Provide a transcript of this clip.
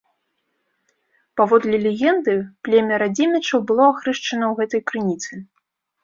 Паводле легенды племя радзімічаў было ахрышчана ў гэтай крыніцы.